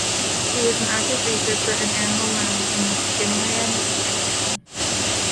He was an active researcher in animal learning in the Skinnerian tradition.